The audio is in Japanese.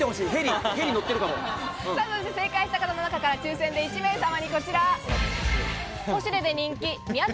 正解した方の中から抽選で１名様にこちら、ポシュレで人気「宮崎